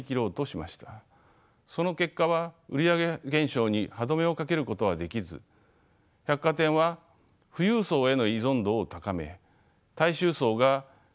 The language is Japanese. その結果は売り上げ減少に歯止めをかけることはできず百貨店は富裕層への依存度を高め大衆層が百貨店から離れていきました。